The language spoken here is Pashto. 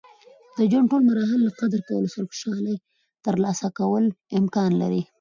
د ژوند د ټول مراحل له قدر کولو سره خوشحالي ترلاسه کول امکان لري.